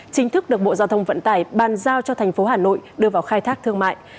chính thức được bộ giao thông vận tải bàn giao cho thành phố hà nội đưa vào khai thác thương mại